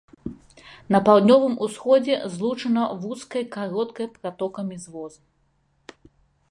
На паўднёвым усходзе злучана вузкай кароткай пратокамі з воз.